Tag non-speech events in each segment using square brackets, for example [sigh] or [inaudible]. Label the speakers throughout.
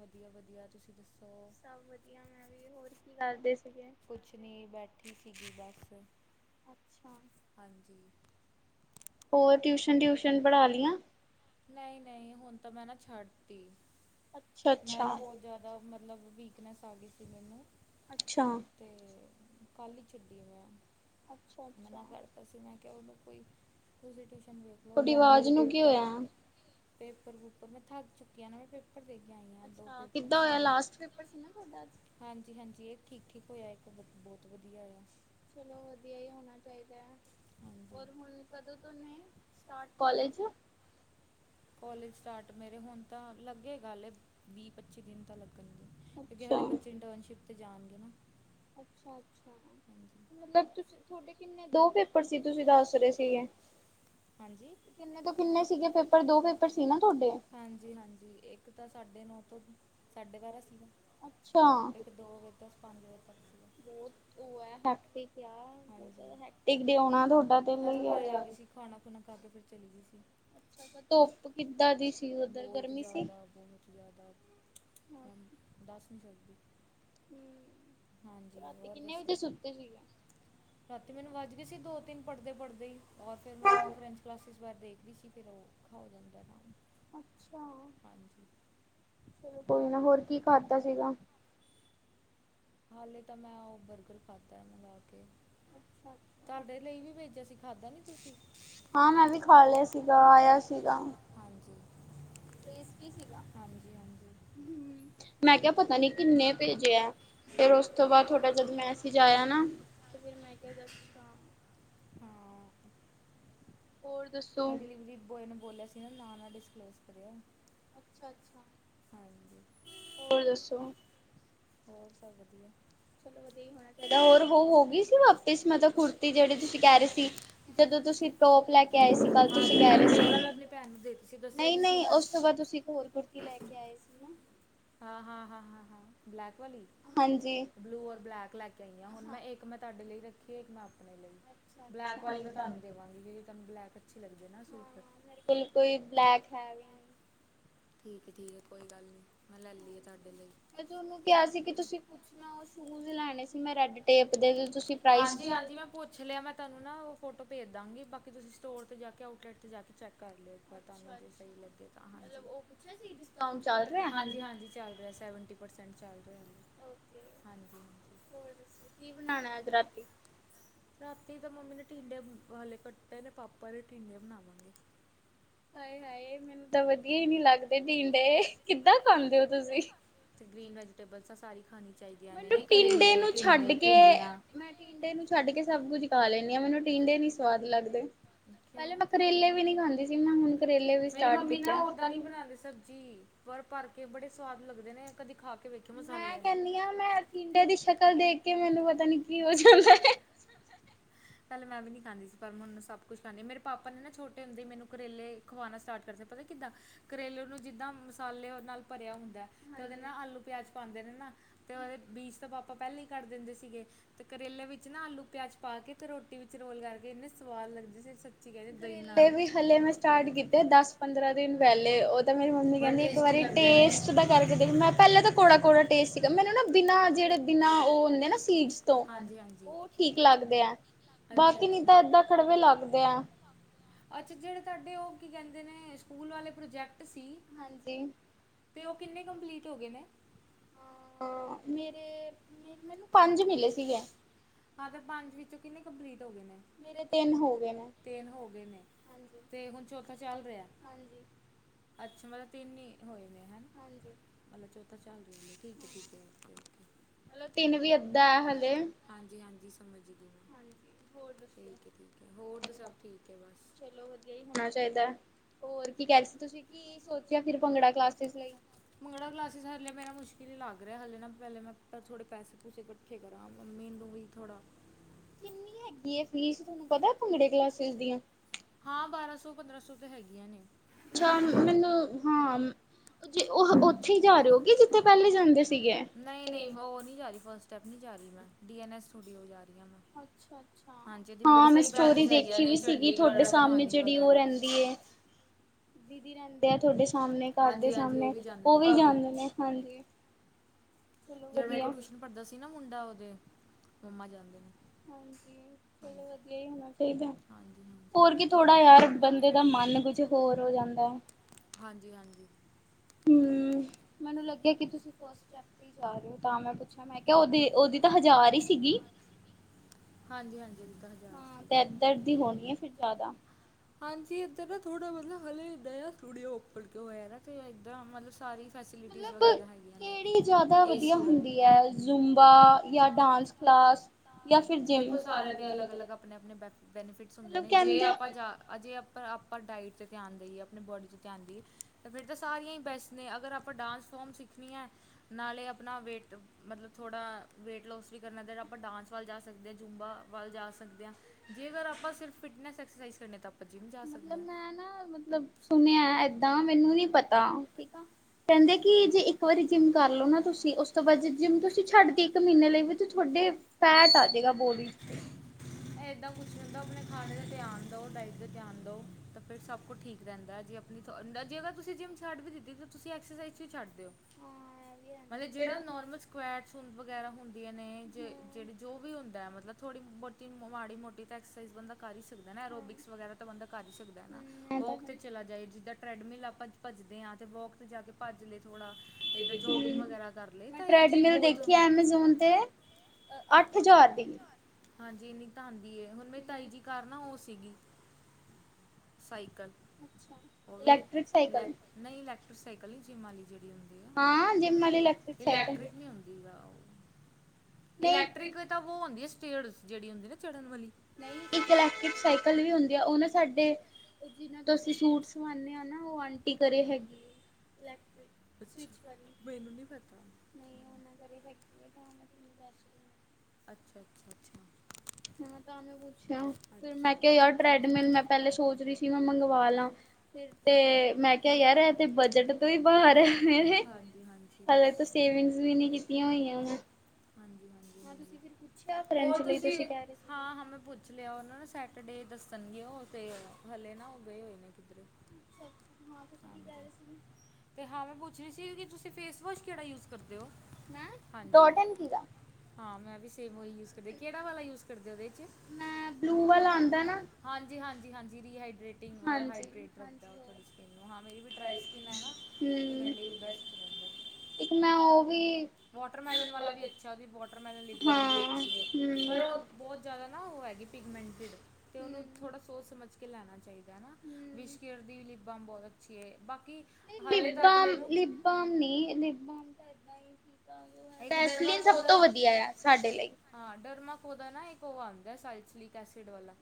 Speaker 1: ਵਦੀਆ-ਵਦੀਆ ਤੁਸੀਂ ਦੱਸੋ।
Speaker 2: ਸਭ ਵਦੀਆ ਮੈਂ ਵੀ ਹੋਰ ਕੀ ਕਰਦੇ ਸੀਗੇ।
Speaker 1: ਕੁਛ ਨੀ ਬੈਠੀ ਸੀਗੀ ਬਸ,
Speaker 2: ਅੱਛਾ
Speaker 1: ਹਾਂਜੀ।
Speaker 2: ਹੋਰ ਟਿਊਸ਼ਨ-ਟਿਊਸ਼ਨ ਪੜ੍ਹਾ ਲੀਆਂ।
Speaker 1: ਨਈਂ-ਨਈਂ ਹੁਨ ਤਾਂ ਮੈਂ ਨਾ ਛਡਤੀ,
Speaker 2: ਅੱਛਾ
Speaker 1: ਮੈ
Speaker 2: ਅੱਛਾ
Speaker 1: ਨਾ ਬੋਤ ਜ਼ਾਦਾ ਮਤਲਬ ਵੀਕਨੈਸ ਆਗੀ ਸੀ ਮੈਨੂੰ।
Speaker 2: ਅੱਛਾ।
Speaker 1: ਤੇ ਕੱਲ ਈ ਛੱਡੀ ਐ ਮੈਂ।
Speaker 2: ਅੱਛਾ ਅੱਛਾ
Speaker 1: ਮਨਾ ਕਰਤਾ ਸੀ ਮੈਂ ਕਿਆ ਓਨੂੰ ਕੋਈ ਦੂਸਰੀ ਟਿਊਸ਼ਨ ਵੇਖ ਓ
Speaker 2: ਤੁਹਾਡੀ
Speaker 1: ਮੈਂ ਮੇਰੇ
Speaker 2: ਆਵਾਜ਼ ਨੂੰ ਕੀ
Speaker 1: ਪੇਪਰ,
Speaker 2: ਹੋਇਆ?
Speaker 1: ਪੇਪਰ ਪੂਪਰ ਮੈਂ ਥੱਕ ਚੁੱਕ ਕੀ ਆ ਨਾਂ ਪੇਪਰ ਦੇ ਕੇ ਆਈਆਂ ਦੋ
Speaker 2: ਅੱਛਾ
Speaker 1: ਪੇਪਰ
Speaker 2: ਕਿੱਦਾਂ ਹੋਇਆ
Speaker 1: ਸੀਗੇ।
Speaker 2: ਲਾਸਟ ਪੇਪਰ ਸੀ ਨਾ ਤੁਹਾਡਾ ਅੱਜ?
Speaker 1: ਹਾਂਜੀ-ਹਾਂਜੀ ਏ ਠੀਕ-ਠੀਕ ਹੋਏਆ ਇੱਕ ਬੋਤ ਵਦੀਆ ਹੋਏਆ।
Speaker 2: ਚਲੋ ਵਦ ਡਿਆ,
Speaker 1: ਹਾਂਜੀ
Speaker 2: ਹੋਰ ਹੁਨ ਕਦੋਂ ਤੋਂ ਨੇ ਸਟਾਟ ਕੋਲੇਜ।
Speaker 1: ਕੋਲੇਜ ਸਟਾਟ ਮੇਰੇ ਹੁਨ ਤਾਂ ਲੱਗੇਗਾ ਹਲੇ ਵੀਹ-ਪੱਚੀ ਦਿਨ ਤਾਂ ਲੱਗਨਗੇ। ਕਿਓਂਕਿ ਹਲੇ
Speaker 2: ਅੱਛਾ
Speaker 1: ਬੱਚੇ ਇੰਟਰਨਸ਼ਿਪ ਤੇ ਜਾਨਗੇ ਨਾ।
Speaker 2: ਅੱਛਾ-ਅੱਛਾ।
Speaker 1: ਹਾਂਜੀ
Speaker 2: ਮਤਲਬ ਤੁਸੀਂ ਥੋਡੇ ਕਿੰਨੇ ਦੋ ਪੇਪਰ ਸੀ ਤੁਸੀਂ ਦੱਸ ਰਏ ਸੀਗੇ।
Speaker 1: ਹਾਂਜੀ
Speaker 2: ਕਿੰਨੇ ਤੋਂ ਕਿੰਨੇ ਸੀਗੇ ਪੇਪਰ ਦੋ ਪੇਪਰ ਸੀ ਨਾ ਥੋਡੇ।
Speaker 1: ਹਾਂਜੀ-ਹਾਂਜੀ ਇੱਕ ਤਾਂ ਸਾਢੇ ਨੌ ਤੋਂ ਸਾਡੇ ਬਾਰਾਂ ਸੀਗਾ
Speaker 2: ਅੱਛਾ
Speaker 1: ਇੱਕ ਦੋ ਵਜੇ ਤੋਂ ਪੰਜ ਵਜੇ ਤੱਕ। ਸੀਗਾ
Speaker 2: ਬਹੁਤ ਉਹ ਹੈ ਹੈਕਟਿਕ।
Speaker 1: ਹਾਂਜੀ।
Speaker 2: ਇੱਕ ਦਿਉਣਾ ਤੁਹਾਡਾ ਤੇ
Speaker 1: ਮੈਂ ਤਾਂ
Speaker 2: ਲਈ ਅੱਛਾ
Speaker 1: ਘਰੇ ਆ ਗਈ ਸੀ ਖਾਣਾ ਖੁਣਾ ਖਾ ਕੇ ਫਿਰ ਚਲੀ ਗਈ ਸੀ।
Speaker 2: ਅੱਛਾ ਧੁੱਪ ਕਿੱਦਾਂ ਦੀ ਸੀ ਉਧਰ
Speaker 1: ਬਹੁਤ
Speaker 2: ਗਰਮੀ ਸੀ?
Speaker 1: ਜ਼ਿਆਦਾ ਬਹੁਤ ਜ਼ਿਆਦਾ ਤੁਹਾਨੂ ਦਸ ਨਹੀਂ ਸਕਿਦੀ।
Speaker 2: ਹੱਮਮ ਰਾਤੀ
Speaker 1: ਹੋਰ
Speaker 2: ਕਿੰਨੇ
Speaker 1: ਦੱਸੋ
Speaker 2: ਵਜੇ ਸੁੱਤੇ ਸੀਗੇ?
Speaker 1: ਰਾਤੀ ਮੈਨੂੰ ਵੱਜ ਗਏ ਸੀ ਦੋ ਤਿੰਨ ਪੜ੍ਹਦੇ ਪੜ੍ਹਦੇ ਹੀ ਔਰ ਫਿਰ ਮੈਂ ਉਹ ਫਰੈਂਚ ਕਲਾਸਿਸ ਬਾਰੇ ਦੇਖ ਰਹੀ ਸੀ ਫਿਰ ਉਹ ਥਊਜੈਂਡ ਦੇ ਅਰਾਊਂਡ।
Speaker 2: ਅੱਛਾ ਚਲੋ ਕੋਈ ਨਾ ਹੋਰ ਕੀ ਖਾਧਾ ਸੀਗਾ?
Speaker 1: ਹਾਲੇ ਤਾਂ ਮੈਂ ਉਹ ਬਰਗਰ ਖਾਧਾ ਮੰਗਾ ਕੇ।
Speaker 2: ਅੱਛਾ ਅੱਛਾ
Speaker 1: ਤੁਡੇ ਲਈ ਵੀ ਭੇਜਿਆ ਸੀ ਖਾਧਾ ਨੀ ਤੁਸੀਂ? ਹਾਂ ਮੈ
Speaker 2: ਮੈਂ
Speaker 1: ਵੀ
Speaker 2: ਖਾ ਲਿਆ ਸੀਗਾ
Speaker 1: ਖਾਲੱਯਾ
Speaker 2: ਆਇਆ ਸੀਗਾ
Speaker 1: ਹਾਂਜੀ।
Speaker 2: ਟੇਸਟੀ ਸੀਗਾ
Speaker 1: ਹਾਂਜੀ
Speaker 2: ਮੈਂ ਕਿਹਾ ਪਤਾ ਨੀ ਕਿੰਨੇ ਭੇਜਿਆ। ਫਿਰ ਉਸ ਤੋਂ ਬਾਅਦ ਥੋਡਾ ਜਦ ਮੈਸਜ ਆਇਆ ਨਾ ਤੇ ਫਿਰ ਮੈਂ ਕਿਹਾ ਬਸ
Speaker 1: ਹਾਂ।
Speaker 2: ਹੋਰ ਦੱਸੋ
Speaker 1: ਮੈ ਡਿਲੀਵਰੀ ਬੋਏ ਨੂੰ ਬੋਲਿਆ ਸੀ ਨਾ ਨਾਂ ਨਾ ਡਿਸਕਲੋਜ ਕਰਿਓ।
Speaker 2: ਅੱਛਾ ਅੱਛਾ।
Speaker 1: ਹਾਂਜੀ।
Speaker 2: ਹੋਰ ਦੱਸੋ।
Speaker 1: ਹੋਰ ਸਭ ਵਧੀਆ।
Speaker 2: ਚਲੋ ਵਧੀਆ ਹੀ ਹੋਣਾ ਚਾਹੀਦਾ ਹੋਰ ਉਹ ਹੋ ਗਈ ਸੀ ਵਾਪਿਸ ਮਤਲਬ ਕੁੜਤੀ ਜਿਹੜੀ ਤੁਸੀਂ ਕਹਿ ਰਹੇ ਸੀ। ਜਦੋਂ ਤੁਸੀਂ ਟੋਪ ਲੈ ਕੇ ਆਏ ਸੀ ਕੱਲ ਤੁਸੀਂ
Speaker 1: ਹਾਂਜੀ
Speaker 2: ਕਹਿ ਰਹੇ
Speaker 1: ਹਾਂਜੀ
Speaker 2: ਸੀ
Speaker 1: ਉਹਨਾਂ ਮੈਂ ਆਪਣੀ ਭੈਣ ਨੂੰ ਦੇਤੀ ਸੀ ਦੱਸਿਆ ਤਾਂ
Speaker 2: ਨਹੀਂ ਨਹੀਂ
Speaker 1: ਸੀਗਾ
Speaker 2: ਉਸ ਤੋਂ ਬਾਅਦ ਤੁਸੀਂ ਹੋਰ ਕੁੜਤੀ ਲੈ ਕੇ ਆਏ ਸੀ। ਨਾ
Speaker 1: ਹਾਂ ਹਾਂ ਹਾਂ ਹਾਂ ਹਾਂ ਬਲੈਕ ਵਾਲੀ।
Speaker 2: ਹਾਂਜੀ।
Speaker 1: ਹਾਂ ਬਲੂ ਔਰ ਬਲੈਕ ਲੈ ਕੇ ਆਈ ਆ ਹੁਣ ਮੈਂ ਇੱਕ ਮੈਂ ਤੁਹਾਡੇ ਲਈ ਰੱਖੀ ਇੱਕ ਮੈਂ ਆਪਣੇ ਲਈ। ਬਲੈਕ ਵਾਲੀ ਮੈਂ ਤੁਹਾਨੂੰ ਦੇਵਾਂਗੀ ਜਿਹੜੀ ਤੁਹਾਨੂੰ ਬਲੈਕ ਅੱਛੀ ਲੱਗਦੀ ਹੈ ਨਾ ਸੂਟ
Speaker 2: ਬਿਲਕੁਲ ਹੀ ਬਲੈਕ ਹੈ ਵੀ ਨੀ।
Speaker 1: ਠੀਕ ਹੈ ਠੀਕ ਹੈ ਕੋਈ ਗੱਲ ਨਹੀਂ। ਮੈਂ ਲੈ ਲਈ ਆ ਤੁਹਾਡੇ ਲਈ ਫਿਰ ਤੁਹਾਨੂੰ ਕਿਹਾ ਸੀ ਕਿ ਤੁਸੀਂ ਪੁਛਣਾ ਉਹ ਸੂਟ ਲੈਣੇ ਸੀ ਮੈਂ
Speaker 2: ਟੇਪ ਦੇ ਤੁਸੀਂ ਪ੍ਰਾਈਸ
Speaker 1: ਹਾਂਜੀ
Speaker 2: ਅੱਛਾ
Speaker 1: ਹਾਂਜੀ ਮੈਂ
Speaker 2: ਅੱਛਾ
Speaker 1: ਪੁੱਛ ਲਿਆ ਮੈਂ ਤੁਹਾਨੂੰ ਨਾ ਉਹ ਫੋਟੋ ਭੇਜ ਦਾਂਗੀ ਬਾਕੀ ਤੁਸੀਂ ਸਟੋਰ ਤੇ ਜਾਕੇ ਆਊਟਲੈਟ ਤੇ ਜਾਕੇ ਚੈੱਕ ਕਰ ਲਯੋ ਤੁਹਾਨੂੰ ਜ ਸਹੀ ਲੱਗੇ ਤਾਂ ਹਾਂਜੀ।
Speaker 2: ਅੱਛਾ ਜੀ ਡਿਸਕਾਉਂਟ ਚੱਲ ਰਿਹਾ ਹਾਂਜੀ ਹਾਂ।
Speaker 1: ਚੱਲ ਰਿਹਾ ਸੈਵਨਟੀ ਪਰਸੈਂਟ ਚੱਲ ਰਿਹਾ
Speaker 2: ਓਕੇ
Speaker 1: ਹਾਂਜੀ।
Speaker 2: ਹੋਰ ਦੱਸੋ ਕੀ ਬਣਾਉਣਾ ਅੱਜ ਰਾਤੀ।
Speaker 1: ਰਾਤੀ ਤਾਂ ਮੰਮੀ ਨੇ ਟੀਂਡੇ ਹਾਲੇ ਕੱਟੇ ਨੇ ਪਾਪਾ ਦੇ ਟੀਂਡੇ ਬਣਾਵਾਂਗੇ।
Speaker 2: ਹਾਏ ਹਾਏ ਮੈਨੂੰ ਤਾਂ ਵਧੀਆ ਹੀ ਨਹੀਂ ਲੱਗਦੇ ਟੀਂਡੇ ਕਿੱਦਾਂ ਖਾਂਉਦੇ ਹੋ ਤੁਸੀਂ।
Speaker 1: ਤੇ ਗ੍ਰੀਨ ਵੈਜੀਟੇਬਲਸ ਆ ਸਾਰੀ ਖਾਣੀ ਚਾਹੀਦੀਆਂ
Speaker 2: ਮੈਨੂੰ ਟਿੰਡੇ ਨੂੰ ਛੱਡ ਕੇ ਟੀਂਡੇ ਨੂੰ ਛੱਡ ਕੇ ਸਭ ਕੁੱਝ ਖਾ ਲੈਣੀ ਆਂ ਮੈਨੂੰ ਟੀਂਡੇ ਨੀ ਸਵਾਦ ਲੱਗਦੇ। ਪਹਿਲੇ ਮੈਂ ਕਰੇਲੇ ਵੀ ਨਹੀਂ ਖਾਂਦੀ ਸੀ। ਮੈਂ ਹੁਣ ਕਰੇਲੇ ਵੀ
Speaker 1: ਫੇਰ
Speaker 2: ਸਟਾਰਟ
Speaker 1: ਮੰਮੀ ਨਾ ਓਦਾਂ ਨੀ
Speaker 2: ਕੀਤੇ।
Speaker 1: ਬਣਾਉਂਦੀ। ਸਬਜ਼ੀ ਪਰਰ ਭਰ ਕੇ ਬੜੇ ਸਵਾਦ ਲੱਗਦੇ ਨੇ ਕਦੇ ਖਾ ਕੇ
Speaker 2: ਮੈਂ ਕਹਿੰਦੀ ਹਾਂ ਮੈਂ ਪਿੰਡੇ ਦੀ ਸ਼ਕਲ ਦੇਖ ਕੇ ਮੈਨੂੰ ਪਤਾ ਨੀ ਕੀ ਹੋ ਜਾਂਦਾ ਏ [inaudible]
Speaker 1: ਪਹਿਲੇ ਮੈਂ ਵੀ ਨੀ ਖਾਂਦੀ ਸੀ, ਪਰ ਮੈਂਨੂੰ ਸੱਭ ਸਭ ਕੁਛ ਖਾਂਂਦੇ, ਮੇਰੇ ਪਾਪ ਨੇ ਨਾ ਛੋਟੇ ਹੁੰਦੇ ਮੈਨੂੰ ਕਰੇਲੇ ਖਵਾਉਣਾ ਸਟਾਰਟ ਕਰ ਦਿੱਤਾ, ਪਤਾ ਕਿੱਦਾਂ ਕਰੇਲੇ ਨੂੰ ਜਿੱਦਾਂ ਮਸ ਮਸਾਲੇ ਓਹਦੇ ਨਾਲ ਭਰਿਆ ਹੁੰਦਾ ਤੇ ਉਹਦੇ ਨਾਲ ਆਲੂ ਪਿਆਜ ਪਾਉਂਦੇ
Speaker 2: ਹਾਂਜੀ।
Speaker 1: ਨੇ ਨਾ, ਤੇ ਉਹਦੇ ਬੀਜ ਤਾਂਪ-' ਆਪਾਂ ਪਹਿਲਾਂ ਹੀ ਕੱਢ ਦਿੰਦੇ ਸੀਗੇ, ਤੇ ਕਰੇਲੇ ਵਿੱਚ ਨਾ ਆਲੂ, ਪਿਆਜ ਪਾ ਕੇ, ਤੇ ਰੋਟੀ ਵਿੱਚ ਰੋਲ ਕਰਕੇ ਇੰਨੇ ਸਵਾਦ ਲੱਗਦੇ ਸੀ ਤੇ ਸੱਚੀ ਕਹਿੰਦੀ ਦਹੀਂ ਨਾਲ
Speaker 2: ਕਰੇਲੇ ਵੀ ਹਲੇ ਮੈਂ ਸਟਾਰਟ ਕੀਤੇ ਦਸ ਪੰਦਰਾਂ ਦਿਨ ਪਹਿਲੇ ਉਹ, ਤਾਂ ਮੇਰੀ ਮੰਮੀ
Speaker 1: ਬੜਾ
Speaker 2: ਕਹਿੰਦੀ ਇੱਕ
Speaker 1: ਟੇਸਟੀ
Speaker 2: ਵਾਰੀ
Speaker 1: ਲੱਗਦੇ ਨੇ
Speaker 2: ਟੇਸਟ ਦਾ ਕਰਕੇ ਦੇਖਣਾ, ਪਹਿਲਾਂ ਤਾਂ ਕੌੜਾ- ਕੌੜਾ ਟੇਸਟ ਠੀਕ ਮੈਨੂੰ ਨਾ ਬਿਨਾ ਜਿਹੜੇ ਬਿਨਾਂ ਉਹ ਹੁੰਦੇ ਨਾ ਸੀਡ ਤੋਂ,
Speaker 1: ਹਾਂਜੀ ਹਾਂਜੀ
Speaker 2: ਉਹ ਠੀਕ ਲੱਗਦੇ ਐ
Speaker 1: ਅੱਛਾ,
Speaker 2: ਬਾਕੀ ਨੀ, ਤਾਂ ਏਦਾਂ ਕੜਵੇ ਲੱਗਦੇ ਆ
Speaker 1: ਅੱਛਾ ਜਿਹੜੇ ਤੁਹਾਡੇ ਉਹ ਕੀ ਕਹਿੰਦੇ ਨੇ ਸਕੂਲ ਵਾਲੇ ਪ੍ਰੋਜੈਕਟ ਸੀ,
Speaker 2: ਹਾਂਜੀ
Speaker 1: ਤੇ ਉਹ ਕਿੰਨੇ ਕੰਪਲੀਟ ਹੋ ਗਏ ਨੇ
Speaker 2: ਹਾਂ, ਮੇਰੇ, ਮੈਨੂੰ ਪੰਜ ਮਿਲੇ ਸੀਗੇ
Speaker 1: ਹਾਂ ਤੇ ਪੰਜ ਵਿਚੋਂ ਕਿੰਨੇ ਕੰਪਲੀਟ ਹੋ ਗਏ ਨੇ
Speaker 2: ਮੇਰੇ ਤਿੰਨ ਹੋ ਗਏ ਨੇ
Speaker 1: ਤਿੰਨ ਹੋ ਗਏ ਨੇ,
Speaker 2: ਹਾਂਜੀ
Speaker 1: ਤੇ ਹੁਣ ਚੌਥਾ ਚੱਲ ਰਿਹਾ
Speaker 2: ਹਾਂਜੀ
Speaker 1: ਅੱਛਾ, ਮਤਲਬ ਤਿੰਨ ਹੀ ਹੋਏ ਨੇ ਹਨਾ
Speaker 2: ਹਾਂਜੀ
Speaker 1: ਹਜੇ ਚੌਥਾ ਚੱਲ ਰਿਹਾ [unintelligible]
Speaker 2: ਹਲੇ ਤਿੰਨ ਵੀ ਅੱਧਾਂ ਹੈ, ਹਲੇ
Speaker 1: ਹਾਂਜੀ -ਹਾਂਜੀ ਸਮਝ ਗਈ
Speaker 2: ਹਾਂਜੀ ਹੋਰ ਦੱਸੋ, ਹੋਰ
Speaker 1: ਇੱਥੇ ਸਭ ਠੀਕ ਹੈ ਬਸ
Speaker 2: ਚਲੋ ਵਧੀਆ ਹੀ ਹੋਣਾ ਚਾਹੀਦਾ, ਹੋਰ ਕੀ ਕਹਿ ਰਹੇ ਸੀ ਤੁਸੀਂ ਕੀ ਕੀ ਸੋਚਿਆ ਫਿਰ ਭੰਗੜਾ ਕਲਾਸਿਸ ਲਈ
Speaker 1: ਮਾਂੜਾ ਕਲਾਸਿਸ ਹਲੇ ਮੇਰਾ ਫਿਰ ਲੱਗ ਰਿਹਾ, ਹਲੇ ਨਾ ਪਹਿਲੇ ਮੈਂ ਥੋੜੇ ਪੈਸੇ- ਪੂਸੇ ਇਕੱਠੇ ਕਰਾਂ, ਮੰਮੀ ਨੂੰ ਵੀ ਥੋੜਾ
Speaker 2: ਕਿੰਨੀ ਹੈਗੀ ਏ ਫੀਸ ਤੁਹਾਨੂੰ ਪਤਾ, ਭੰਗੜੇ ਕਲਾਸਿਸ ਦੀਆਂ
Speaker 1: ਹਾਂ ਬਾਰਾਂ ਸੌ ਪੰਦਰਾਂ ਸੌ ਤੇ ਉਹ ਤੇ ਹੈਗੀਆਂ ਨੇ।
Speaker 2: ਅੱਛਾ। ਮੈਨੂੰ, ਹਾਂ ਮ ਜੇ ਉਹ ਉੱਥੇ ਹੀ ਜਾ ਰਹੇ ਹੋ ਕੀ ਜਿੱਥੇ ਪਹਿਲੇ ਜਾਂਦੇ ਸੀਗੇ? ਨਹੀਂ ਓਹ
Speaker 1: ਓ ਨੀ ਜਾ ਰਹੀ ਫਸ ਸਟੈਪ ਨੀ ਜਾ ਰੀ ਮੈਂ, ਡੀ ਐਨ ਐੱਸ ਸਟੂਡੀਓ ਜਾ ਰੀ ਆ ਮੈਂ।
Speaker 2: ਅੱਛਾ- ਅੱਛਾ,
Speaker 1: ਹਾਂਜੀ ਇਹਦੀ ਬੜੀ
Speaker 2: ਹਾਂ ਮੈ
Speaker 1: ਸਾਰੀ
Speaker 2: ਸਟੋਰੀ
Speaker 1: ਬ੍ਰਾਂਚਿਸ
Speaker 2: ਮੈਂ
Speaker 1: ਹੈਗੀਆਂ
Speaker 2: ਦੇਖੀ
Speaker 1: ਨੇ
Speaker 2: ਵੀ ਸੀਗੀ ਤੁਹਾਡੇ
Speaker 1: ਚੰਡੀਗੜ੍ਹ
Speaker 2: ਸਾਮਣੇ
Speaker 1: ਮੋਹਾਲੀ
Speaker 2: ਜਿਹੜੀ ਓ
Speaker 1: ਵਗੈਰਾ
Speaker 2: ਰਹਿੰਦੀ ਐ। ਦੀਦੀ ਰਹਿੰਦੇ ਐ ਤੁਹਾਡੇ ਸਾਮਣੇ ਘਰ ਦੇ
Speaker 1: ਹਾਂਜੀ ਹਾਂਜੀ ਉਹ
Speaker 2: ਸਾਮਣੇ,
Speaker 1: ਵੀ ਜਾਂਦੇ ਨੇ
Speaker 2: ਓ ਵੀ
Speaker 1: ਭਾਬੀ
Speaker 2: ਜਾਂਦੇ ਨੇ। ਹਾਂਜੀ ਚਲੋ
Speaker 1: ਜੇੜਾ ਮੇਰੇ ਕੋਲ
Speaker 2: ਵਧੀਆ
Speaker 1: ਟੁਸ਼ਨ ਪੜਦਾ ਸੀ ਨਾ ਮੁੰਡਾ ਓਹਦੇ, ਮੰਮਾ ਜਾਂਦੇ ਨੇ।
Speaker 2: ਹਾਂਜੀ, ਚਲੋ ਵਧੀਆ ਹੀ ਹੋਣਾ ਚਾਹੀਦਾ।
Speaker 1: ਹਾਂਜੀ ਹਾਂਜੀ
Speaker 2: ਹੋਰ ਕੀ ਥੋੜਾ ਯਾਰ, ਬੰਦੇ ਦਾ ਮਨ ਕੁਝ ਹੋਰ ਹੋ ਜਾਂਦਾ।
Speaker 1: ਹਾਂਜੀ, ਹਾਂਜੀ
Speaker 2: ਹੂੰ, ਮੈਨੂੰ ਲੱਗਿਆ ਕਿ ਤੁਸੀਂ ਕੋਸ ਕਰਦੇ ਜਾ ਰੇ ਹੋ, ਤਾਂ ਮੈਂ ਪੁੱਛਿਆ। ਮੈਂ ਕਿਆ ਓਹਦੇ, ਓਹਦੀ ਤਾਂ ਹਜ਼ਾਰ ਹੀ ਸੀਗੀ।
Speaker 1: ਹਾਂਜੀ, ਹਾਂਜੀ ਐਦਾ ਹੀ
Speaker 2: ਹਾਂ, ਤੇ ਐਧਰ ਦੀ ਹੋਣੀ ਏ, ਫੇਰ ਜਾਦਾ।
Speaker 1: ਹਾਂਜੀ ਇੱਧਰ ਨਾ ਥੋੜਾ ਮਤਲਬ ਹਲੇ ਨਯਾ ਸਟੂਡੀਓ ਓਪਨ ਕਰਵਾਯੈ ਨਾ, ਤੇ ਇਦਾਂ ਮਤਲਬ ਸਾਰੀ ਫੈਸਿਲਿਟੀਜ਼ ਵਗੈਲਾ ਹੈਗੀਆਂ ਨੇ। ਜ਼ਿਆਦਾ
Speaker 2: ਜਾਦਾ ਵਧੀਆ
Speaker 1: ਏਸੀ ਵਾਲਾ
Speaker 2: ਹੁੰਦੀ
Speaker 1: ਹੈ,
Speaker 2: ਐ, ਜ਼ੂੰਬਾ
Speaker 1: ਜ਼ੁੰਬਾ ਜਾਂ
Speaker 2: ਯਾਂ ਡਾਂਸ ਕਲਾਸ। ਜਾਂ ਫਿਰ ਜਿੰਮ
Speaker 1: ਦੇਖੋ ਸਾਰਿਆਂ ਦੇ ਅਲੱਗ-ਅਲੱਗ ਅਪਣੇ-ਅਪਣੇ ਬ ਬੈਨੀਫਿਟਸ ਹੁੰਦੇ
Speaker 2: ਮਤਲਬ
Speaker 1: ਨੇ ਜੇ
Speaker 2: ਕਹਿੰਦੇ
Speaker 1: ਆਪਾਂ ਜਾ ਅਜੇ ਆਪਾਂ, ਆਪਾਂ ਡਾਇਟ ਤੇ ਧਿਆਨ ਦੇਈਏ, ਅਪਣੀ ਬੋਡੀ ਚ ਧਿਆਨ ਦੇਈਏ ਤਾਂ ਫੇਰ ਤਾਂ ਸਾਰੀਆਂ ਈ ਬੈਸਟ ਨੇ ਅਗਰ ਆਪਾਂ ਡਾਂਸ ਫੋਮ ਸਿੱਖਨੀ ਐ, ਨਾਲੇ ਅਪਨਾ ਵੇਟ, ਮਤਲਬ ਥੋੜ੍ਹਾ ਵੇਟ ਲੋਸ ਵੀ ਕਰਨਾ ਐ ਤੇ ਫੇਰ ਆਪਾਂ ਡਾਂਸ ਵੱਲ ਜਾ ਸਕਦੇ ਆ, ਜੂੰਬਾ ਵੱਲ ਜਾ ਸਕਦੇ ਆ। ਜੇ ਅਗਰ ਆਪਾਂ ਸਿਰਫ਼ ਫਿੱਟਨੈੱਸ ਐਕਸਰਸਾਈਜ਼ ਕਰਨੀ ਐ ਤਾਂ ਆਪਾਂ ਜਿਮ ਜਾ ਸਕਦੇ ਆਂ।
Speaker 2: ਸੁਨੇਆ ਐਦਾਂ ਮੈਨੂੰ ਨੀ ਪਤਾ, ਠੀਕ ਆ। ਕਹਿੰਦੇ ਕਿ ਜੇ ਇੱਕ ਵਾਰੀ ਜਿੰਮ ਕਰ ਲੋ ਨਾ ਤੁਸੀਂ, ਉਸ ਤੋਂ ਬਾਦ ਜੇ ਜਿੰਮ ਤੁਸੀਂ ਛੱਡਤੀ ਤੇ ਮੀਨੇ ਲਈ ਵਿੱਚ ਤੁਹਾਡੇ ਫੈਟ ਆ ਜੇਗਾ ਬੋਡੀ 'ਚ।
Speaker 1: ਏਦਾਂ ਕੁਛ ਨੀ ਹੁੰਦਾ, ਅਪਨੇ ਖਾਨੇ ਦਾ ਧਿਆਨ ਦੋ, ਡਾਇਟ ਦਾ ਧਿਆਨ ਦਓ ਤਾ ਫਿਰ ਸਭ ਕੁੱਛ ਠੀਕ ਰਹਿੰਦਾ ਐ ਜੇ ਆ ਨੀ [unintelligible] ਜੇ ਅਗਰ ਤੁਸੀਂ ਜਿੰਮ ਛੱਡ ਵੀ ਦਿੱਤੀ ਤੇ ਤੁਸੀਂ ਐਕਸਰਸਾਈਜ਼ 'ਚ ਛੱਡ ਦਿਓ।
Speaker 2: ਹਾਂ ਐ ਵੀ ਹੈ।
Speaker 1: ਮਤਲਬ ਜੇੜਾ ਨੋਰਮਲ ਸਕਵੇਟਸ ਹੁੰਦ ਵਗੈਰਾ ਹੁੰਦੀਆਂ ਨੇ, ਜੇ ਜੇੜੇ ਜੋ ਵੀ ਹੁੰਦਾ ਐ ਮਤਲਬ ਥੋੜੀ ਤੇ ਮਾੜੀ ਮੋਟੀ ਤਾਂ ਐਕਸਰਸਾਈਜ਼ ਬੰਦਾ ਕਰ ਹੀ ਸਕਦਾਐ ਨਾ ਐਰੋਬਿਕਸ ਵਗੈਰਾ ਤਾਂ ਬੰਦਾ ਕਰ ਹੀ ਸਕਦਾ ਐ ਨਾ। ਵੋਕ ਤੇ ਚਲਾ ਜਾਏ, ਜਿੱਦਾਂ ਟਰੈਡਮਲ ਆਪਾਂ ਭੱਜਦੇ ਆਂ ਤੇ ਵੋਕ 'ਤੇ ਜਾ ਕੇ ਭੱਜ ਲੇ ਥੋੜ੍ਹਾ।
Speaker 2: ਹੂੰ, ਮੈਂ ਟ੍ਰੈਡਮੇਲ
Speaker 1: ਬਹੁਤ
Speaker 2: ਦੇਖੀ ਐ ਐਮੇਜ਼ੋਨ ਤੇ। ਅ ਅੱਠ ਹਜ਼ਾਰ ਦੀ।
Speaker 1: ਹਾਂਜੀ, ਇੰਨੀ ਤਾਂ ਆਂਦੀ ਏ, ਹੁਨ ਮੇਰੀ ਤਾਈ ਜੀ ਘਰ ਨਾ ਓ ਸੀਗੀ ਸਾਈਕਲ, ਓ ਵੀ
Speaker 2: ਇਲੈਕਟ੍ਰਿਕ ਸਾਈਕਲ
Speaker 1: ਲੈਗ ਨਈ ਇਲੈਕਟ੍ਰਿਕ ਸਾਈਕਲ ਨੀ, ਜਿੰਮ ਆਲੀ ਜੇੜੀ ਹੁੰਦੀ।
Speaker 2: ਹਾਂ ਜਿੰਮ
Speaker 1: ਨਾ,
Speaker 2: ਵਾਲੀ ਇਲੈਕਟ੍ਰਿਕ ਸਾਈਕਲ
Speaker 1: ਇਲੈਕਟ੍ਰਿਕ ਨਹੀਂ ਹੁੰਦੀ ਆ ਓ। ਇਲੈਕਟ੍ਰਿਕ
Speaker 2: ਨਹੀਂ
Speaker 1: ਤਾਂ ਵੋ ਹੁੰਦੀ ਏ, ਸਟੇਯਰਸ, ਜੇੜੀ ਹੁੰਦੀ ਨਾ ਚੜ੍ਹਨ ਵਾਲੀ।
Speaker 2: ਨਈ ਇੱਕ ਇਲੈਕਟ੍ਰਿਕ ਸਾਈਕਲ ਵੀ ਹੁੰਦੀ ਆ, ਓ ਨਾ ਸਾਡੇ, ਜਿਨਾ ਤੋਂ ਅਸੀਂ ਸੂਟ ਸਵਾਨੇ ਆਂ ਨਾ ਓ ਆਂਟੀ ਘਰੇ ਹੈਗੀ ਏ ਇਲੈਕਟ੍ਰਿਕ ਸਵਿੱਚ
Speaker 1: ਅੱਛਾ
Speaker 2: ਵਾਲੀ।
Speaker 1: ਮੈਨੂੰ ਨਹੀਂ ਪਤਾ
Speaker 2: ਨਈ ਓ ਓਨਾਂ ਘਰੇ ਹੈਗੀ ਏ, ਤਾਂ ਮੈ
Speaker 1: ਅੱਛ, ਅੱਛ, ਅੱਛਾ।
Speaker 2: ਹਾਂ ਤਾਂ ਮੈਂ ਪੁੱਛਿਆ ਫੇਰ ਮੈਂ ਕਿਹਾ ਯਾਰ ਟਰੈਡਮਿਲ ਮੈਂ ਪਹਿਲੇ ਸੋਚ ਰੀ ਸੀ, ਮੈਂ ਮੰਗਵਾ ਲਾਂ। ਫਿਰ ਤੇ, ਮੈਂ ਕਿਹਾ ਯਾਰ ਐ ਤੇ ਬਜਟ ਤੋਂ ਈ ਬਾਰ ਐ ਮੇਰੇ।
Speaker 1: ਹਾਂਜੀ ਹਾਂਜੀ ਹਲੇ
Speaker 2: ਹਲ਼ੇ
Speaker 1: ਬਸ
Speaker 2: ਤੇ ਸੇਵਿੰਗਸ ਵੀ ਨੀ ਕੀਤੀਆਂ ਹੋਈਆਂ ਮੈਂ।
Speaker 1: ਹਾਂਜੀ, ਹਾਂਜੀ,
Speaker 2: ਹਾਂ ਤੁਸੀਂ ਫਿਰ
Speaker 1: ਹਾਂਜੀ,
Speaker 2: ਪੁੱਛਿਆ
Speaker 1: ਹੋਰ
Speaker 2: ਫਰੈਂਡਸ ਲਈ
Speaker 1: ਤੁਸੀਂ
Speaker 2: ਕਹਿ ਰਹੇ ਸੀਗੇ।
Speaker 1: ਹਾਂ ਹਾਂ, ਮੈਂ ਪੁੱਛ ਲਿਆ ਓਨਾਂ ਨੇ ਸੈਟਰਡੇ ਦੱਸ ਸਨਗੇ ਓ ਤੇ ਹਲੇ ਨਾ ਓ ਗਏ ਹੋਏ ਨੇ ਕਿਧਰੇ।
Speaker 2: ਅਛ-ਅੱਛਾ, ਹਾਂ ਤੁਸੀਂ ਕੀ
Speaker 1: ਹਾਂਜੀ
Speaker 2: ਕਹਿ ਰੇ ਸੀ?
Speaker 1: ਤੇ ਹਾਂ, ਮੈਂ ਪੁੱਛ ਰੀ ਸੀ ਕਿ ਤੁਸੀਂ ਫੇਸਵਾਸ਼ ਕੇੜਾ ਯੂਜ ਕਰਦੇ ਓ? ਹਾਂਜੀ!
Speaker 2: ਡੋਟ ਐਨ ਕਿਦਾ
Speaker 1: ਹਾਂ, ਮੈਂ ਵੀ ਸੇਮ ਓਈ ਯੂਜ ਕਰਦੀ, ਕੇੜਾ ਵਾਲਾ ਯੂਜ ਕਰਦੇ ਓਦੇ 'ਚ?
Speaker 2: ਮੈਂ ਬਲੂ ਵਾਲਾ ਆਂਦਾ ਐ ਨਾ।
Speaker 1: ਹਾਂਜੀ, ਹਾਂਜੀ, ਹਾਂਜੀ ਰੀਹਾਈਡ ਰੇਟਿੰਗ ਵਾ
Speaker 2: ਹਾਂਜੀ
Speaker 1: ਹਾਈਡਰੇਟ ਰੱਖਦਾ
Speaker 2: ਹਾਂਜੀ ਹੋਰ
Speaker 1: ਤੁਹਾਡੀ ਸਕਿੰਨ ਨੂੰ, ਹਾਂ ਮੇਰੀ ਵੀ ਡ੍ਰਾਈ ਸਕਿੰਨ ਐ ਨਾ, ਤੇ
Speaker 2: ਹੂੰ
Speaker 1: ਮੇਰੇ ਲਈ ਬੈਸਟ ਰਹਿੰਦਾ ਐ।
Speaker 2: ਇੱਕ ਮੈਂ ਓ ਵੀ
Speaker 1: ਵਾਟਰਮੈਲਨ ਵਾਲਾ ਵੀ ਅੱਛਾ ਐ, ਓਦੀ ਵਾਟਰਮੈਲਨ ਲਿਪ
Speaker 2: ਹਾਂ
Speaker 1: ਬਾਮ ਵੀ
Speaker 2: ਹੂੰ
Speaker 1: ਅੱਛੀ ਐ ਪਰ ਓ
Speaker 2: ਹੂੰ
Speaker 1: ਬੋਤ ਜਾਦਾ ਨਾ ਓ ਹੈਗੀ ਪਿਗਮੈਂਟਿਡ ਤੇ
Speaker 2: ਹੂੰ
Speaker 1: ਓਨੂੰ ਥੋੜ੍ਹਾ ਸੋਚ-ਸਮਝ ਕੇ ਕੇ ਲੈਨਾ ਚਾਈਦਾ ਨਾ, ਵਿਸ਼ਕੇਅਰ ਦੀ ਵੀ ਲਿਪ ਬਾਮ ਬੋਤ ਅੱਛੀ ਏ, ਬਾਕੀ
Speaker 2: ਨੀ
Speaker 1: ਹਾਲੇ
Speaker 2: ਲਿਪ
Speaker 1: ਤੱਕ ਮੈਨੂੰ
Speaker 2: ਬਾਮ-ਲਿਪ ਬਾਮ ਨੀ, ਲਿਪ ਬਾਮ ਇਹਦਾ ਹੀ
Speaker 1: ਇੱਕ
Speaker 2: ਵੈਸਲੀਨ
Speaker 1: ਡਰਮਾਕੋ
Speaker 2: ਸਭ ਤੋਂ
Speaker 1: ਦਾ
Speaker 2: ਵਧੀਆ ਏ ਸਾਡੇ ਲਈ।
Speaker 1: ਹਾਂ, ਡਰਮਾਕੋ ਦਾ ਇਕ ਉਹ ਆਉਂਦਾ, ਸਾਈਡ ਸਲੀਕ ਐਸਿਡ ਵਾਲਾ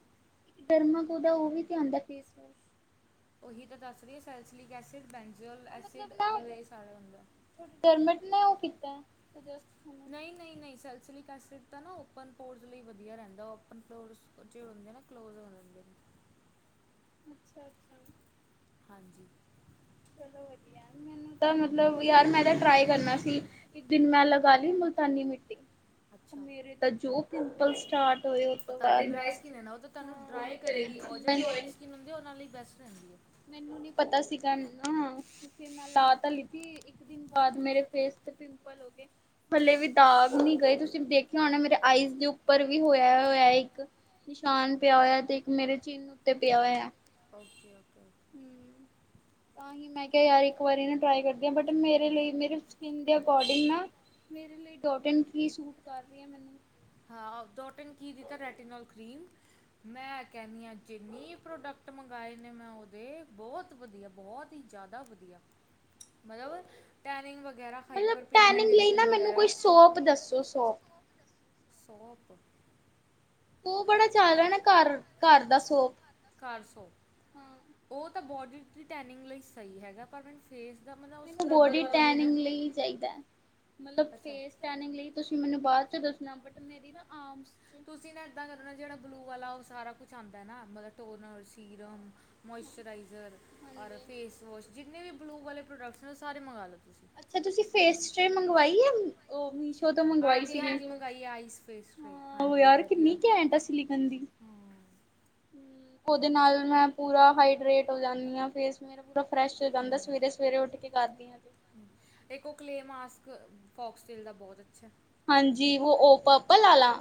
Speaker 2: ਡਰਮਾਕੋ ਦਾ ਉਹ ਵੀ ਤੇ ਆਉਂਦਾ ਫੇਸ ਵਾਸ਼।
Speaker 1: ਉਹੀ ਤਾਂ ਦੱਸ ਰਹੀ ਸੈਲਸਲਿਕ ਐਸਿਡ, ਬੈਨਜਓਲ ਐਸਿਡ ਮਤਲਬ ਇਹ ਸਾਰਾ ਹੁੰਦਾ।
Speaker 2: ਡਰਮਟ ਨੇ ਉਹ ਕੀਤਾ
Speaker 1: ਨਹੀਂ-ਨਹੀਂ-ਨਹੀਂ, ਸੈਲਸਲੀਕ ਐਸਿਡ ਤਾਂ ਨਾ ਓਪਨ ਪੋਰਸ ਲਈ ਵਧੀਆ ਰਹਿੰਦਾ, ਓਪਨ ਪੋਰਸ ਜੋ ਹੁੰਦੇ ਨਾ, ਕਲੋਜ਼ ਹੋ ਜਾਂਦੇ ਨੇ।
Speaker 2: ਅੱਛਾ-ਅੱਛਾ।
Speaker 1: ਹਾਂਜੀ।
Speaker 2: ਚਲੋ ਵਧੀਆ, ਮੈਨੂੰ ਤਾਂ ਮਤਲਬ ਯਾਰ, ਮੈਂ ਤਾਂ ਟਰਾਈ ਕਰਨਾ ਸੀ ਇੱਕ ਦਿਨ ਮੈਂ ਲਗਾ ਲਈ ਮੁਲਤਾਨੀ ਮਿੱ ਟੀ
Speaker 1: ਅੱਛਾ
Speaker 2: ਮੇਰੇ ਤਾਂ ਜੋ ਪਿੰਪਲ ਸਟਾਰਟ ਹੋਏ, ਉਹ ਤੋਂ ਬਾਅਦ ਤੁਹਾਡੀ ਡਰਾਈ ਸਕਿਨ ਹੈ ਹਾਂ
Speaker 1: ਕਰੇਗੀ ਉਹ ਜਿਹੜੀ ਓਇਲੀ ਸਕਿੰਨ ਹੁੰਦੀਏ, ਉਹਨਾਂ ਲਈ ਬੈਸਟ ਰਹਿੰਦੀ ਹੈ।
Speaker 2: ਮੈਨੂੰ ਨੀ ਪਤਾ ਸੀਗਾ ਨਾ, ਹਾਂ ਫੇਰ ਮੈਂ ਲਾ ਤਾਂ ਲਿੱਤੀ ਇੱਕ ਦਿਨ ਬਾਅਦ ਮੇਰੇ ਫੇਸ ਤੇ ਪਿੰਪਲ ਹੋ ਗਏ। ਹੱਲੇ ਵੀ ਦਾਗ ਨਹੀਂ ਗਏ, ਤੁਸੀਂ ਦੇਖਿਆ ਹੋਣਾ, ਮੇਰੇ ਆਈਜ਼ ਦੇ ਉੱਪਰ ਵੀ ਹੋਇਆ ਹੋਇਆ ਇੱਕ। ਨਿਸ਼ਾਨ ਪਿਆ ਹੋਇਆ, ਤੇ ਇੱਕ ਮੇਰੇ ਚਿੰਨ੍ਹ ਉੱਤੇ ਪਿਆ ਹੋਇਆ।
Speaker 1: ਅੱਛਾ।
Speaker 2: ਹੂੰ, ਤਾਂ ਹੀ ਮੈਂ ਕਿਹਾ ਯਾਰ, ਇੱਕ ਵਾਰੀ ਨਾ ਟਰਾਈ ਕਰ ਬਟ, ਮੇਰੇ ਲਈ, ਮੇਰੇ ਸਕਿੰਨ ਦੇ ਅਕੋਰਡਿੰਗ ਨਾ ਮੇਰੇ ਲਈ ਡੋਟ ਨ ਕੀ ਸੂਟ ਕਰ ਰਹੀ ਆ ਮੈਨੂੰ।
Speaker 1: ਹਾਂ, ਡੋਟ ਨ ਕੀ ਦਿੱਤਾ ਰੈਟੀਨੋਲ ਕਰੀਮ ਮੈਂ ਕਹਿੰਦੀ ਹਾਂ, ਜਿੰਨੇ ਹੀ ਪ੍ਰੋਡਕਟ ਮੰਗਵਾਏ ਨੇ ਮੈਂ ਉਹਦੇ, ਬਹੁਤ ਵਧੀਆ-ਬਹੁਤ ਬਹੁਤ ਹੀ ਜ਼ਿਆਦਾ ਵਧੀਆ। ਮਤਲਬ ਟੈਨਿੰਗ ਵਗੈਰਾ,
Speaker 2: ਮਤਲਬ
Speaker 1: ਹਾਈਪਰ-ਪਿਗਮੈਂਟੇਸ਼ਨ ਵਗੈਰਾ, ਤੁਸੀਂ ਸੋਪ ਦੱਸੋ।
Speaker 2: ਉਹ ਸੌਪ
Speaker 1: ਸੌਪ।
Speaker 2: ਉਹ ਬੜਾ ਚੱਲ ਰਿਹਾ ਨਾ ਘਰ-ਘਰ ਦਾ ਸੋਪ?
Speaker 1: ਘਰ
Speaker 2: ਹਾਂ
Speaker 1: ਸੌਪ ਉਹ ਤਾਂ ਬੋਡੀ ਦੀ ਟੈਨਿੰਗ ਲਈ ਸਹੀ ਹੈਗਾ, ਪਰ ਮੈਨ ਫੇਸ ਦਾ ਮਤਲਬ ਉਹ
Speaker 2: ਮੈਨੂੰ
Speaker 1: ਸਕਰਬਰ
Speaker 2: ਬੋਡੀ
Speaker 1: ਵਾਲਾ ਵੀ ਹੈ ਨਾ
Speaker 2: ਟੈਨਿੰਗ ਲਈ ਚਾਹੀਦਾ ਹੈ। ਮਤਲਬ
Speaker 1: ਅੱਛਾ।
Speaker 2: ਫੇਸ ਟੈਨਿੰਗ ਲਈ ਤੁਸੀਂ ਮੈਨੂੰ ਬਾਅਦ 'ਚ ਦੱਸਣਾ, ਬਟ ਮੇਰੀ ਨਾ ਆਮਸ
Speaker 1: ਤੁਸੀਂ ਨਾ ਇਦਾਂ ਕਰਨਾ, ਜਿਹੜਾ ਬਲੂ ਵਾਲਾ ਉਹ ਸਾਰਾ ਕੁਛ ਆਉਂਦਾ ਨਾ ਮਤਲਬ ਟੋਨਰ, ਸੀਰਮ। ਮੋਇਸਚਰਾਈਜ਼ਰ ਔਰ
Speaker 2: ਹਾਂਜੀ।
Speaker 1: ਫੇਸਵਾਸ਼- ਜਿੰਨੇ ਵੀ ਬਲੂ ਵਾਲੇ ਪ੍ਰੋਡਕਟਸ ਨੇ, ਉਹ ਸਾਰੇ ਮੰਗਵਾ ਲਓ ਤੁਸੀਂ। ਅੱਛਾ, ਤੁਸੀਂ ਫੇਸ
Speaker 2: ਟ੍ਰੇ
Speaker 1: ਕਰੀਮ ਮੰਗਵਾਈ ਹੈ
Speaker 2: ਉਹ ਮੀਸ਼ੋ ਤੋਂ
Speaker 1: ਇਹ
Speaker 2: ਮੰਗਵਾਈ ਸੀ।
Speaker 1: ਹਾਂਜੀ-ਹਾਂਜੀ, ਮੰਗਾਈ ਹੈ ਆਈਸ ਫੇਸ ਕਰੀਮ।
Speaker 2: ਹਾਂ
Speaker 1: ਹਾਂਜੀ ਵਧੀਆ।
Speaker 2: ਕੀ ਕਹਿੰਦੀ
Speaker 1: ਹਾਂ
Speaker 2: ਹੂੰ ਉਹਦੇ ਨਾਲ ਮੈਂ ਪੂਰਾ ਹਾਈਡਰੇਟ ਹੋ ਜਾਂਦੀ ਹਾਂ ਫੇਸ ਮੇਰਾ ਪੂਰਾ ਫਰੈਸ਼ ਹੋ ਜਾਂਦਾ ਸਵੇਰੇ-ਸਵੇਰੇ ਉੱਠ ਕੇ ਖਾਦੀ ਹਾਂ ਤੇ
Speaker 1: ਹਾਂ ਇੱਕ ਉਹ ਕਲੇਅ ਮਾਸਕ ਫੋਕਸਟੇਲ ਦਾ ਬਹੁਤ ਅੱਛਾ ਏ।
Speaker 2: ਹਾਂਜੀ, ਉਹ-ਉਹ ਪਰਪਲ ਵਾਲਾ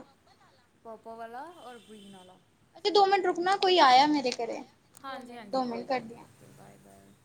Speaker 1: ਪਰਪਲ ਵਾਲਾ ਔਰ ਗਰੀਨ ਵਾਲਾ ਦੀਦੀ ਦੋ ਮਿੰਟ ਰੁਕਣਾ ਕੋਈ ਆਇਆ ਮੇਰੇ ਘਰ ਹਾਂਜੀ-ਹਾਂਜੀ ਕੋਈ ਗੱਲ ਨੀ ਓਕੇ ਬਾਏ-ਬਾਏ।